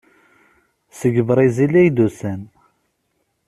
Seg Brizil ay d-usan.